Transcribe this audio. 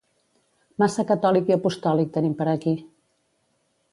Massa catòlic i apostòlic tenim per aquí